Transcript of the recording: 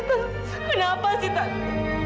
kenapa sih tante